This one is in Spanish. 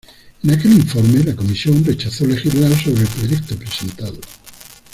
En aquel informe, la comisión rechazó legislar sobre el proyecto presentado.